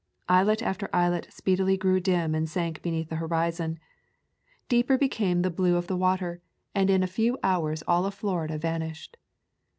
Islet after islet speedily grew dim and sank beneath the horizon. Deeper became the blue of the [ 144 ] A Sojourn in Cuba _ water, and in a few hours all of Florida van ished.